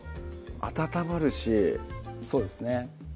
温まるしそうですね